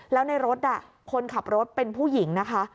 แล้วในรถคนขับรถเป็นผู้หญิงนะคะ